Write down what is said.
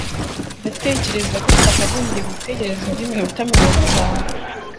Ndatekereza ko twakagombye gutegereza indi minota mirongo itatu.